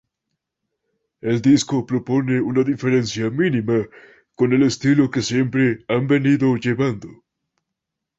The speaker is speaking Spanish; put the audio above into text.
El disco propone una diferencia mínima con el estilo que siempre han venido llevando.